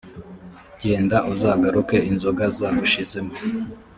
genda uzagaruke inzoga zagushizemo